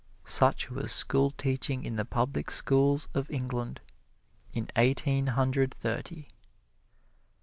Such was schoolteaching in the public schools of England in Eighteen Hundred Thirty.